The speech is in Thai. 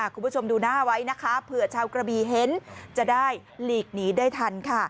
คุณผู้ชมดูหน้าไว้นะคะเผื่อชาวกระบีเห็นจะได้หลีกหนีได้ทันค่ะ